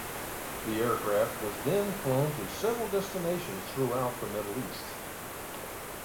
The aircraft was then flown to several destinations throughout the Middle East.